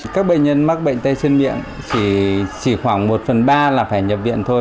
các bệnh nhân mắc bệnh tay chân miệng chỉ khoảng một phần ba là phải nhập viện thôi